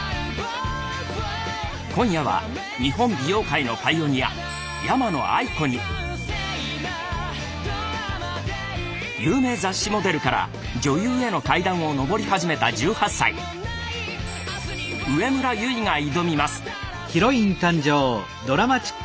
今夜は日本美容界のパイオニア山野愛子に有名雑誌モデルから女優への階段を上り始めた１８歳植村友結が挑みます。